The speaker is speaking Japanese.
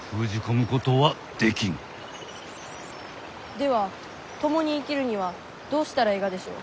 では共に生きるにはどうしたらえいがでしょう？